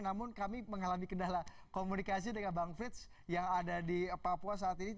namun kami mengalami kendala komunikasi dengan bang frits yang ada di papua saat ini